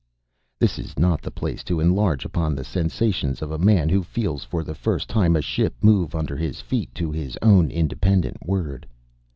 This is not the place to enlarge upon the sensations of a man who feels for the first time a ship move under his feet to his own independent word.